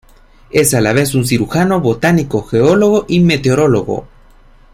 Es a la vez un cirujano, botánico, geólogo, y meteorólogo.